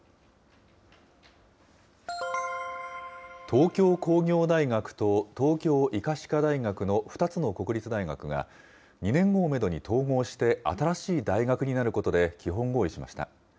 東京工業大学と東京医科歯科大学の２つの国立大学が、２年後をメドに統合して、新しい大学になることで基本合意しました。